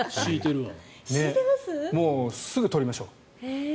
もうすぐ取りましょう。